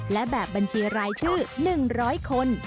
และแบบบัญชีรายชื่อ๑๐๐คน